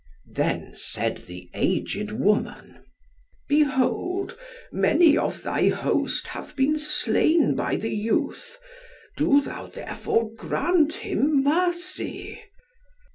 Then said the aged woman, "Behold, many of thy host have been slain by the youth. Do thou, therefore, grant him mercy."